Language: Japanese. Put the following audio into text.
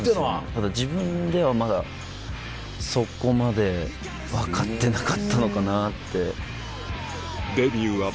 ただ自分ではまだそこまで分かってなかったのかなって。